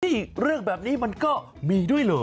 เรื่องแบบนี้มันก็มีด้วยเหรอ